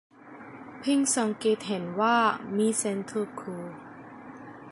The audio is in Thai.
เพิ่งสังเกตเห็นว่ามีเส้นทึบคู่